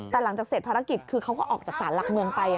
แต่หลังจากเสร็จภารกิจคือเขาก็ออกจากศาลหลักเมืองไป